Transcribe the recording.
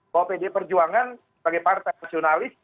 bahwa pd perjuangan sebagai partai nasionalis